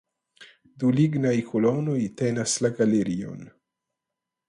Du lignaj kolonoj tenas la galerion.